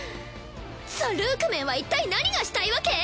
ザ・ルークメンはいったい何がしたいわけ？